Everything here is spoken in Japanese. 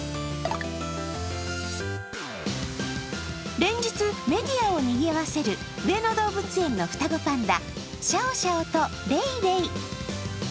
連日、メディアをにぎわせる上野動物園の双子パンダ、シャオシャオとレイレイ。